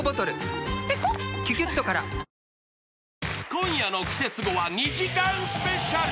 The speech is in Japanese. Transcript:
［今夜の『クセスゴ！』は２時間スペシャル］